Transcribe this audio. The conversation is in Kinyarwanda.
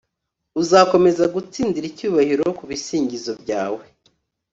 Uzakomeza gutsindira icyubahiro kubisingizo byawe